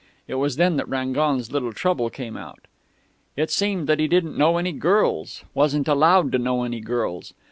It was then that Rangon's little trouble came out.... "It seemed that he didn't know any girls wasn't allowed to know any girls.